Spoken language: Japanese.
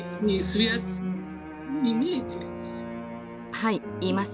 はいいます。